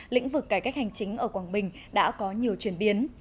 lĩnh vực cải cách hành chính ở quảng bình đã có nhiều chuyển biến